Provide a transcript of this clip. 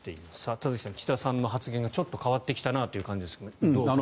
田崎さん、岸田さんの発言がちょっと変わってきたなという感じですが、どうみますか？